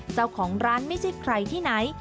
เจ้าของร้านไม่ใช่ใครที่ไหน